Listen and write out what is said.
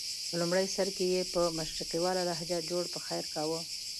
په لومړي سر کې یې په مشرقیواله لهجه جوړ پخیر کاوه.